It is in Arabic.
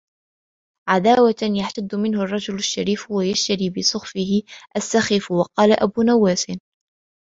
عَدَاوَهْ يَحْتَدُّ مِنْهُ الرَّجُلُ الشَّرِيفُ وَيَجْتَرِي بِسُخْفِهِ السَّخِيفُ وَقَالَ أَبُو نُوَاسٍ